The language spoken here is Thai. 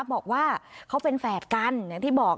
บอกว่าเขาเป็นแฝดกันอย่างที่บอก